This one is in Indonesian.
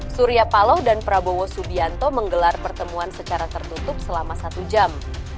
surya paloh dan prabowo subianto menggelar pertemuan secara tertutup selama satu jam